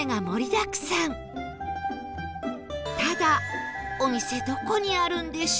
ただお店どこにあるんでしょう？